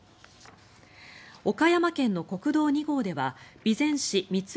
岡山県の国道２号では備前市三石